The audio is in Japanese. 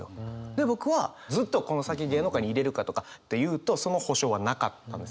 で僕はずっとこの先芸能界にいれるかとかで言うとその保証はなかったんですよ。